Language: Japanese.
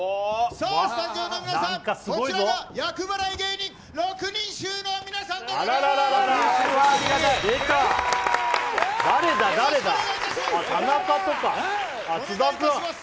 さあ、スタジオの皆さん、こちらが厄払い芸人六人衆の皆さんでございます。